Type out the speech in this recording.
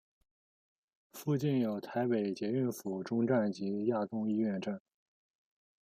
附近有台北捷运府中站及亚东医院站。